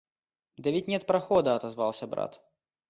— Да ведь нет прохода, — отозвался брат.